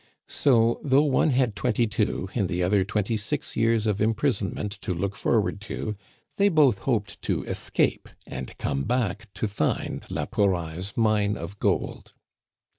So, though one had twenty two and the other twenty six years of imprisonment to look forward to, they both hoped to escape, and come back to find la Pouraille's mine of gold.